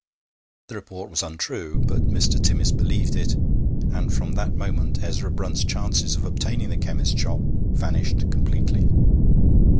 The report was untrue, but Mr. Timmis believed it, and from that moment Ezra Brunt's chances of obtaining the chemist's shop vanished completely.